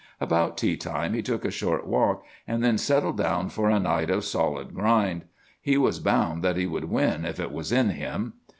About tea time he took a short walk, and then settled down for a night of solid "grind." He was bound that he would win if it was in him.